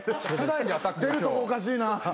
出るとこおかしいな。